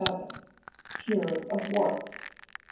Cure of Warts.